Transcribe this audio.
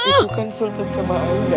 itu kan sultan sama aida